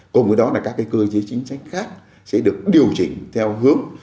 cùng với đó là các cơ chế chính sách khác sẽ được điều chỉnh theo hướng